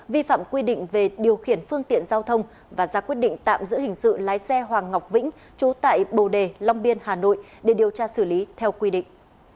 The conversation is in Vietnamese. vi phạm quy định về điều khiển phương tiện giao thông và ra quyết định tạm giữ hình sự lái xe hoàng ngọc vĩnh trú tại bồ đề long biên hà nội để điều tra xử lý theo quy định